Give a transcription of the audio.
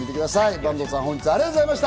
坂東さん、本日はありがとうございました。